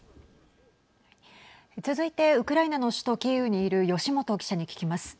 続いてウクライナの首都キーウにいる吉元記者に聞きます。